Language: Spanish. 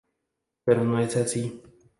Pero no es así.